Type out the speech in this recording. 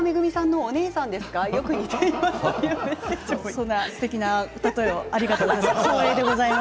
そんなすてきな例えをありがとうございます。